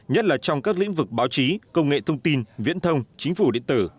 nhất là trong các lĩnh vực báo chí công nghệ thông tin viễn thông chính phủ điện tử